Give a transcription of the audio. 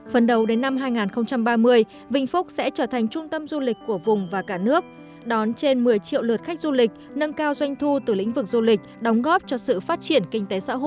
phần đầu đến năm hai nghìn ba mươi vĩnh phúc sẽ trở thành trung tâm du lịch của vùng và cả nước đón trên một mươi triệu lượt khách du lịch nâng cao doanh thu từ lĩnh vực du lịch đóng góp cho sự phát triển kinh tế xã hội